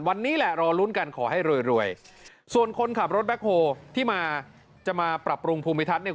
วันนี้แหละรอลุ้นกันขอให้รวยรวยส่วนคนขับรถแบ็คโฮที่มาจะมาปรับปรุงภูมิทัศน์เนี่ย